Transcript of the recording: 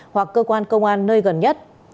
hoặc cơ quan công an nơi gần nhất